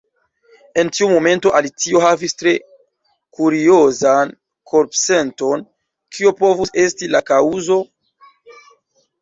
En tiu momento Alicio havis tre kuriozan korpsenton. Kio povus esti la kaŭzo?